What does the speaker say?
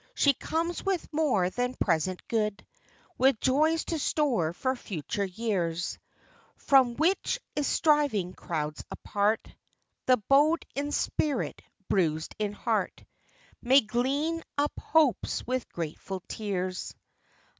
She comes with more than present good With joys to store for future years, From which, in striving crowds apart, The bow'd in spirit, bruised in heart, May glean up hopes with grateful tears.